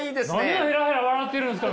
何をヘラヘラ笑ってるんですか！